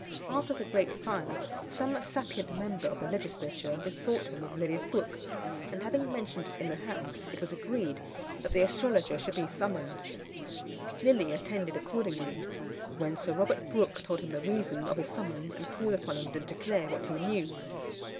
After the great fire, some sapient member of the legislature bethought him of Lilly's book, and having mentioned it in the house, it was agreed that the astrologer should be summoned. Lilly attended accordingly, when Sir Robert Brook told him the reason of his summons, and called upon him to declare what he knew.